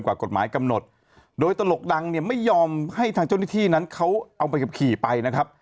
กว่ากฎหมายกำหนดโดยตลกดังเนี่ยไม่ยอมให้ทางเจ้าหน้าที่นั้นเขาเอาไปกับขี่ไปนะครับ